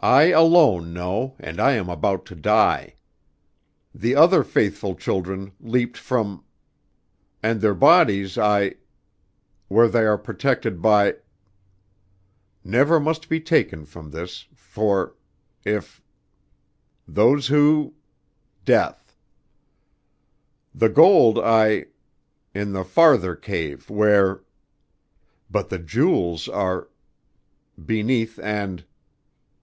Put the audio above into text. I alone know and I am about to die. The other faithful children, leaped from and their bodies I where they are protected by . Never must be taken from this for if . Those who death. The gold I in the farther cave where , but the jewels are beneath and